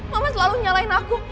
mama selalu nyalain aku